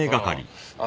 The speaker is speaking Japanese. ああ。